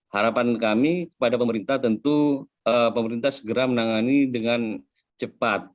harapan kami kepada pemerintah tentu pemerintah segera menangani dengan cepat